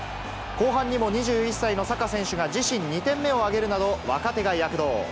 後半にも２１歳のサカ選手が自身２点目を挙げるなど、若手が躍動。